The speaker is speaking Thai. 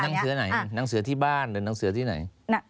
นางเสือไหนนางเสือที่บ้านหรือนางเสือที่ไหน